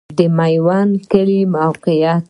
د میوند کلی موقعیت